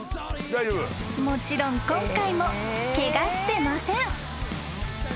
［もちろん今回もケガしてません］